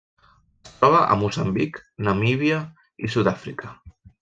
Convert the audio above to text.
Es troba a Moçambic, Namíbia i Sud-àfrica.